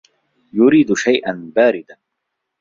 يريد شيئا باردا.